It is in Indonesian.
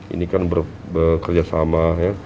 ini kan bekerjasama